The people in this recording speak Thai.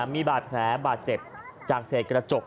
มีบาดแผลบาดเจ็บจากเศษกระจก